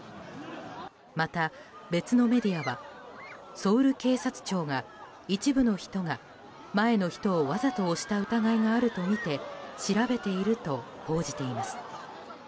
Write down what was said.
また別のメディアはソウル警察庁が一部の人が前の人をわざと押した疑いがあるとみて調べていると報じています。